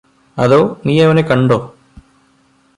അതോ നീയവനെ കണ്ടോ